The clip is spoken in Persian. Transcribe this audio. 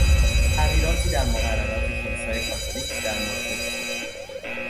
تغییراتی در مقررات کلیسای کاتولیک در مورد روزهگیری